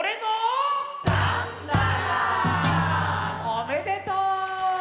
おめでとう！